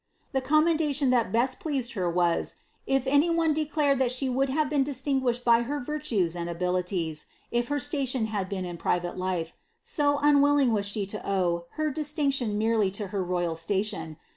The commendation that best pleased her was, if ■ay one declared that she would have been distinguished by her virtues md abilities if her station had been in private life, so unwilling was she 10 owe her distin tion merely to her royal station.